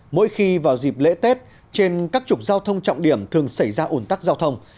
mỗi khi vào dịp lễ tết trên các trục giao thông trọng điểm thường xảy ra ủn tắc giao thông